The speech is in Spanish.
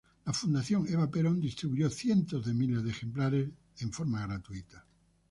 La Fundación Eva Perón distribuyó cientos de miles de ejemplares en forma gratuita.